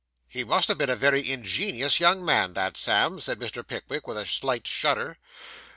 'He must have been a very ingenious young man, that, Sam,' said Mr. Pickwick, with a slight shudder.